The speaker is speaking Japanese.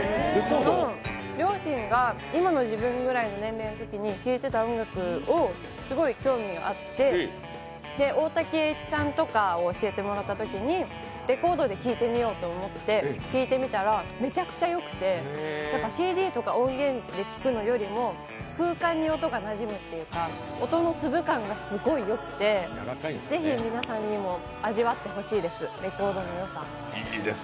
両親が今の自分ぐらいの年齢のときに聞いていた音楽にすごい興味あって、大滝詠一さんとかを教えてもらったときに、レコードで聴いてみようと思って聴いてみたらめちゃくちゃ良くてＣＤとか音源とかで聴くのよりも空間に音がなじむというか音の粒感がすごいよくてぜひ皆さんにも味わってほしいです、レコードの良さ。